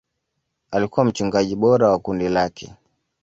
Alikuwa mchungaji bora wa kundi lake.